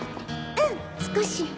うん少し。